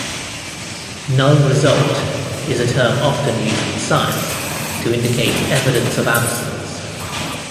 "Null result" is a term often used in science to indicate "evidence of absence".